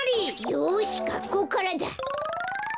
よしがっこうからだ！